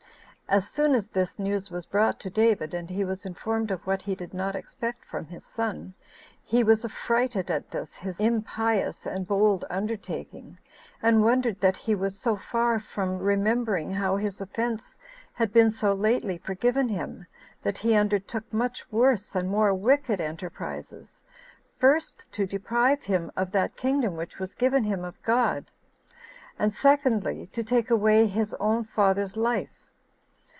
As soon as this news was brought to David, and he was informed of what he did not expect from his son, he was affrighted at this his impious and bold undertaking, and wondered that he was so far from remembering how his offense had been so lately forgiven him, that he undertook much worse and more wicked enterprises; first, to deprive him of that kingdom which was given him of God; and secondly, to take away his own father's life.